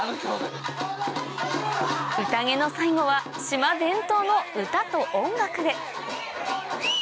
宴の最後は島伝統の歌と音楽で